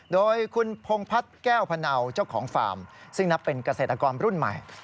โดยคุณพงพัฒน์แก้วพนาวเจ้าของฟาร์มซึ่งนับเป็นเกษตรกรรุ่นใหม่